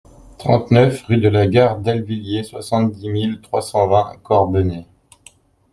trente-neuf rue de la Gare d'Aillevillers, soixante-dix mille trois cent vingt Corbenay